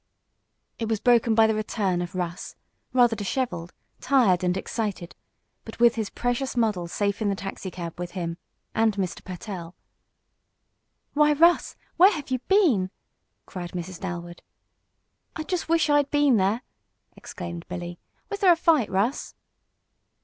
It was broken by the return of Russ, rather disheveled, tired and excited, but with his precious model safe in the taxicab with him and Mr. Pertell. "Why, Russ, where have you been?" cried Mrs. Dalwood. "I just wish I'd been there!" exclaimed Billy. "Was there a fight, Russ?"